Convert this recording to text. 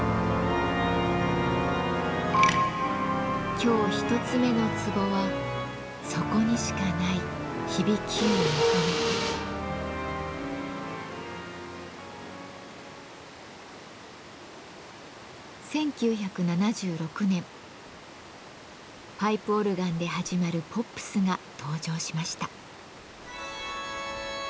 今日一つ目のツボは１９７６年パイプオルガンで始まるポップスが登場しました。